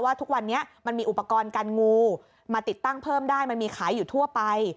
ทุกวันนี้มันมีอุปกรณ์การงูมาติดตั้งเพิ่มได้มันมีขายอยู่ทั่วไป